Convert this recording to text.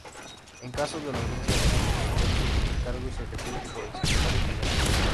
En caso de ausencia del Intendente, el cargo es ejercido por el Secretario General.